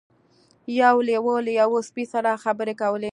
یو لیوه له یوه سپي سره خبرې کولې.